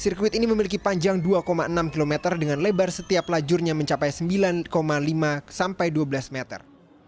sirkuit ini memiliki panjang dua enam km dengan lebar setiap lajurnya mencapai sembilan lima sampai dua belas meter